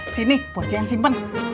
sini buah jalan simpen